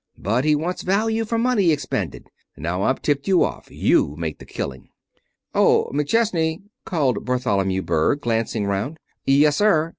But he wants value for money expended. Now I've tipped you off. You make your killing " "Oh, McChesney!" called Bartholomew Berg, glancing round. "Yes, sir!"